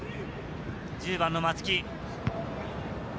１０番の松木。